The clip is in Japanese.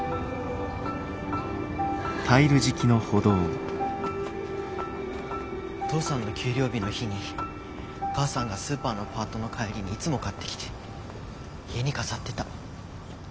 お父さんの給料日の日にお母さんがスーパーのパートの帰りにいつも買ってきて家に飾ってた。